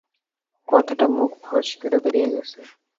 কথাটা মুখ ফসকে বেড়িয়ে গেছে।